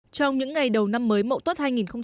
trong những ngày đầu năm mới mậu tốt hai nghìn một mươi tám